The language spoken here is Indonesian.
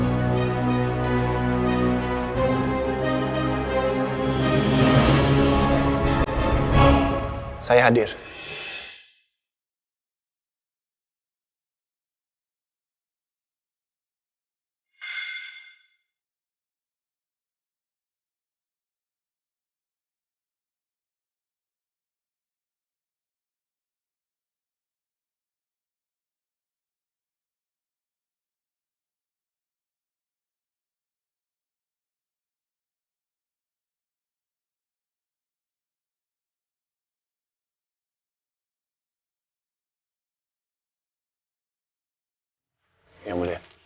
dan juga tidak mewakilkan kepada kuasa hukumnya